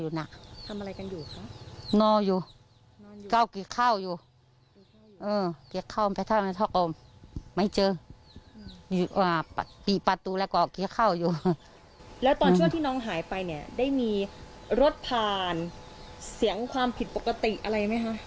หายไปเนี่ยได้มีรถผ่านเสียงความผิดปกติอะไรมั้ยครับ